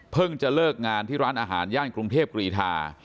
จะเลิกงานที่ร้านอาหารย่านกรุงเทพกรีธา